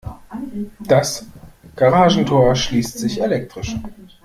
Das Garagentor schließt sich elektrisch.